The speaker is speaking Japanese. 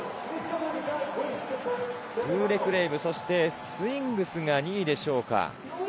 ウーレクレイブ、そしてスウィングスが２位でしょうか。